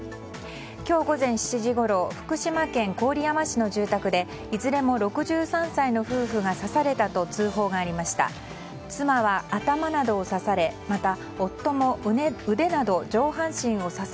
今日午前７時ごろ福島県郡山市の住宅でいずれも６３歳の夫婦が刺されたと通報がありました。